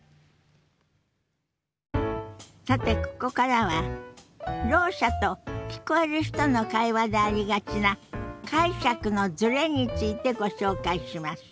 さてここからはろう者と聞こえる人の会話でありがちな解釈のズレについてご紹介します。